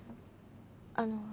あの。